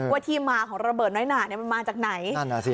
ที่มาของระเบิดน้อยหนามันมาจากไหน